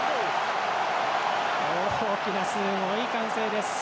大きな、すごい歓声です。